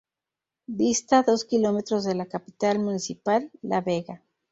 Dista dos kilómetros de la capital municipal, La Vega.